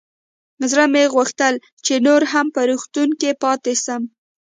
زړه مې غوښتل چې نور هم په روغتون کښې پاته سم.